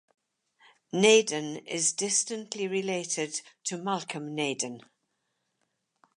Naden is distantly related to Malcolm Naden.